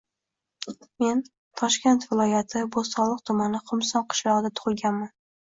Men Toshkent viloyati Bo‘stonliq tumani Xumson qishlog‘ida tug‘ilganman.